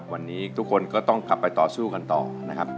วันนี้ทุกคนก็ต้องกลับไปต่อสู้กันต่อนะครับ